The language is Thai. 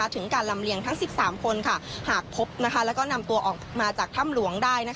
ถึงการลำเลียงทั้ง๑๓คนหากพบแล้วก็นำตัวออกมาจากถ้ำหลวงได้